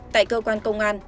tại cơ quan công an